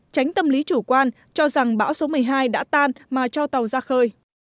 tránh tâm lý chủ quan cho rằng bão số một mươi hai đã tan mà cho tàu ra khơi